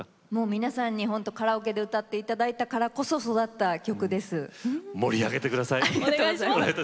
皆さんにカラオケで歌っていただいたからこそ育った盛り上げてください。